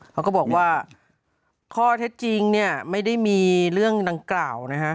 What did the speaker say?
เขาก็บอกว่าข้อเท็จจริงเนี่ยไม่ได้มีเรื่องดังกล่าวนะฮะ